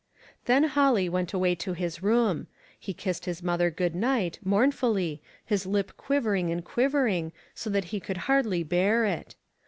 Then Holly went away to his room. He kissed his mother good night, mournfully, his lip quivering and quivering, so that he could hardly bear it.